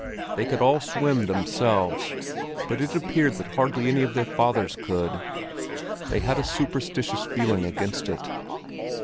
They could all swim themselves, but it appeared that hardly any of their fathers could; they had a superstitious feeling against it.